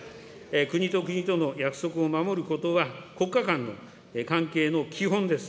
国と国との約束を守ることは国家間の関係の基本です。